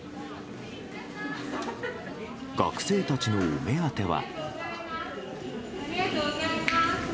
学生たちのお目当ては。